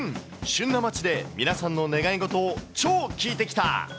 旬な街で皆さんの願い事を超聞いてきた。